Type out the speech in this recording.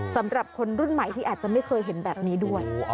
สำหรับคนรุ่นใหม่ที่อาจจะไม่เคยเห็นแบบนี้ด้วย